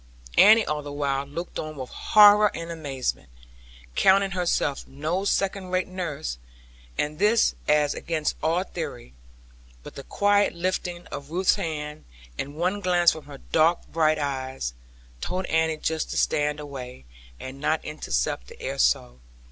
Annie all the while looked on with horror and amazement, counting herself no second rate nurse, and this as against all theory. But the quiet lifting of Ruth's hand, and one glance from her dark bright eyes, told Annie just to stand away, and not intercept the air so.